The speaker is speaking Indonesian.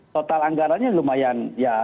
total anggarannya lumayan ya